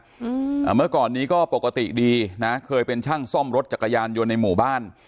อืมอ่าเมื่อก่อนนี้ก็ปกติดีนะเคยเป็นช่างซ่อมรถจักรยานยนต์ในหมู่บ้าน